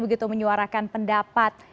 begitu menyuarakan pendapat